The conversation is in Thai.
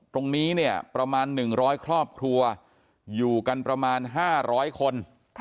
ตรงนี้เนี่ยประมาณ๑๐๐ครอบครัวอยู่กันประมาณ๕๐๐คน